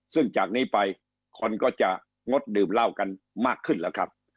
ซึ่งจากนี้ไปคนก็จะงดดื่มเหล้ากันมากขึ้นแล้วครับ